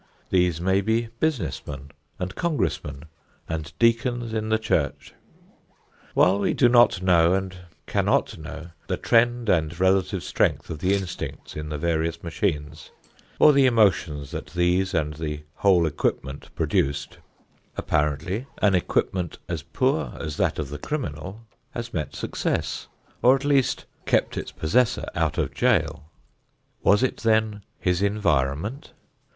These may be business men and congressmen and deacons in the church. While we do not know and cannot know the trend and relative strength of the instincts in the various machines or the emotions that these and the whole equipment produced, apparently an equipment as poor as that of the criminal has met success, or at least kept its possessor out of jail. Was it then his environment?